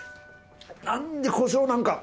なんでこしょうなんか！